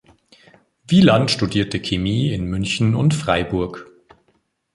Wieland studierte Chemie in München und Freiburg.